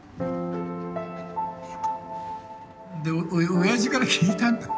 おやじから聞いたんだよ。